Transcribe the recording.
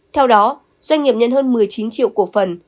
theo đó doanh nghiệp nhận hơn một mươi chín triệu cổ phần